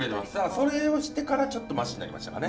それをしてからちょっとましになりましたかね。